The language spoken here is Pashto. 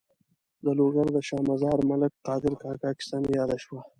د لوګر د شا مزار ملک قادر کاکا کیسه مې یاده شوه.